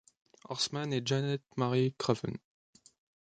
Horsman et Janet Mary Craven.